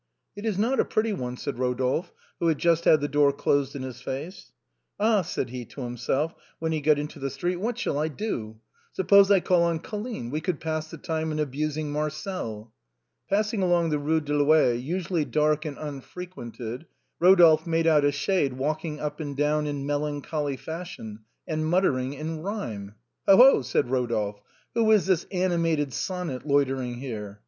" It is not a pretty one," said Eodolphe, who had Just had the door closed in his face. "Ah !" said he to himself when he got into the street, " what shall I do ? Suppose I call on Colline, we could pass the time in abusing Marcel." Passing along the Eue de l'Ouest, usually dark and unfre quented, Eodolphe made out a shade walking up and down in melancholy fashion, and muttering in rhyme. " Ho, ho !" said Eodolphe, " who is this animated sonnet loitering here